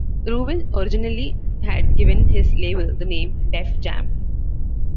Rubin originally had given his label the name "Def Jam".